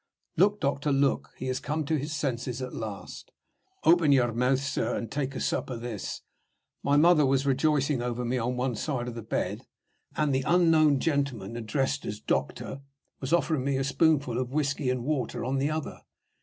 "Look, doctor, look! He has come to his senses at last." "Open your mouth, sir, and take a sup of this." My mother was rejoicing over me on one side of the bed; and the unknown gentleman, addressed as "doctor," was offering me a spoonful of whisky and water on the other.